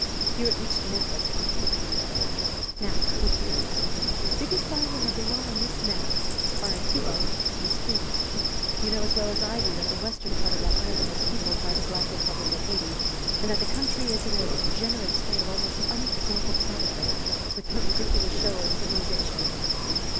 Hewitt reached an atlas from his book shelf. "Now, look here: the biggest island of the lot on this map, barring Cuba, is Hayti. You know as well as I do that the western part of that island is peopled by the black republic of Hayti, and that the country is in a degenerate state of almost unexampled savagery, with a ridiculous show of civilization.